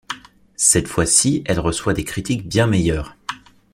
Cette fois ci, elle reçoit des critiques bien meilleures.